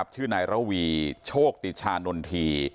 ชื่อราวีโชกติชานนที